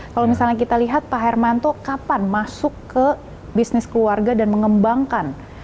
kalau misalnya kita lihat pak hermanto kapan masuk ke bisnis keluarga dan mengembangkan